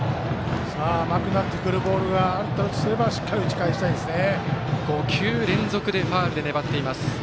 甘くなってくるボールがあるとすればしっかり打ち返したいですね。